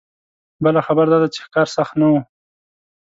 بله خبره دا ده چې ښکار سخت نه و.